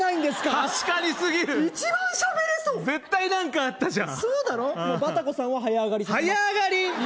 確かにすぎる一番喋れそう絶対何かあったじゃんそうだろバタコさんは早上がりさせます早上がり？